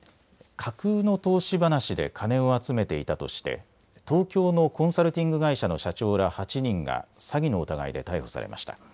架空の投資話で金を集めていたとして東京のコンサルティング会社の社長ら８人が詐欺の疑いで逮捕されました。